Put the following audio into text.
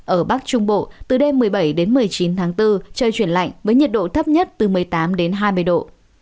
ở bắc trung bộ từ đêm một mươi bảy đến một mươi chín tháng bốn trời chuyển lạnh với nhiệt độ thấp nhất từ một mươi tám đến hai mươi độ